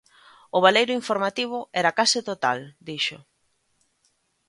O baleiro informativo era case total, dixo.